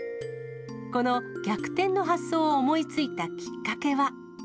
この逆転の発想を思いついたきっかけは。